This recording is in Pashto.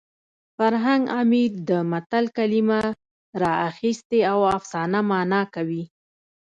فرهنګ عمید د متل کلمه راخیستې او افسانه مانا کوي